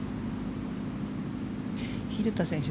蛭田選手